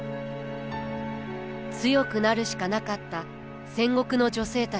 強くなるしかなかった戦国の女性たち。